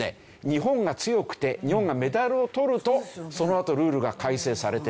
日本が強くて日本がメダルをとるとそのあとルールが改正されてる。